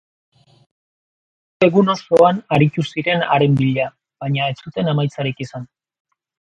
Atzo egun osoan aritu ziren haren bila, baina ez zuten emaitzarik izan.